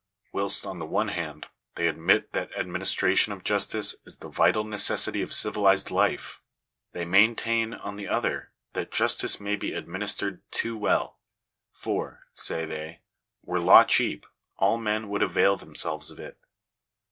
Whilst, on the one hand, they admit that administration of jus tice is the vital necessity of civilized life, they maintain, on the other, that justice may be administered too well !" For," say they, "were law cheap, all men would avail themselves of it.